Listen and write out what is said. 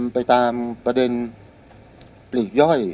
ไปตามประเด็นปลีกย่อย